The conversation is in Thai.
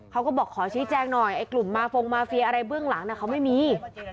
เขาก็บอกขอชี้แจงหน่อยไอ้กลุ่มมาฟงมาเฟียอะไรเบื้องหลังเขาไม่มี